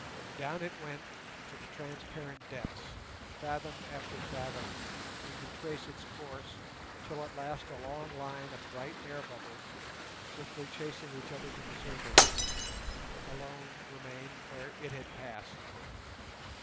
Down it went to the transparent depths—fathom after fathom we could trace its course till at last a long line of bright air bubbles, swiftly chasing each other to the surface, alone remained where it had passed.